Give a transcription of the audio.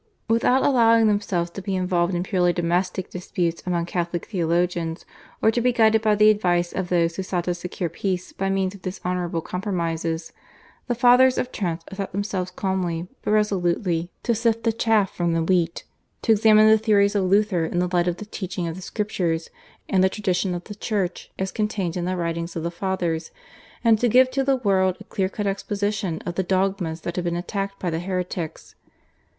Without allowing themselves to be involved in purely domestic disputes among Catholic theologians or to be guided by the advice of those who sought to secure peace by means of dishonourable compromises, the Fathers of Trent set themselves calmly but resolutely to sift the chaff from the wheat, to examine the theories of Luther in the light of the teaching of the Scriptures and the tradition of the Church as contained in the writings of the Fathers, and to give to the world a clear cut exposition of the dogmas that had been attacked by the heretics.